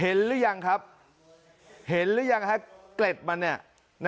เห็นหรือยังครับเห็นหรือยังครับเกร็ดมันนะครับ